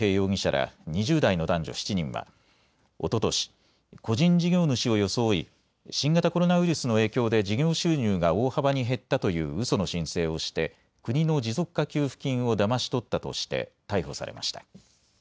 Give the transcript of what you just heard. ら２０代の男女７人はおととし個人事業主を装い新型コロナウイルスの影響で事業収入が大幅に減ったといううその申請をして国の持続化給付金をだまし取ったとして逮捕されました。